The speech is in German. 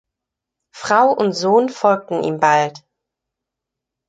Frau und Sohn folgten ihm bald.